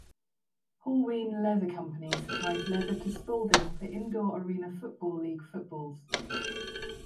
Horween Leather Company supplies leather to Spalding for indoor Arena Football League footballs.